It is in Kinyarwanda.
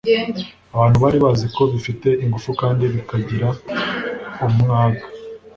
abantu bari bazi ko bifite ingufu kandi bikagira umwaga